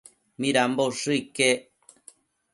Midambo ushë iquec